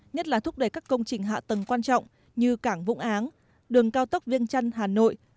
nhất là thúc đẩy các công trình hạ tầng quan trọng như cảng vũng áng đường cao tốc viêng trăn hà nội